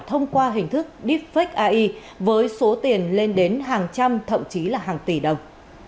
thông qua hình thức deepfake ai với số tiền lên đến hàng trăm thậm chí là hàng tỷ đồng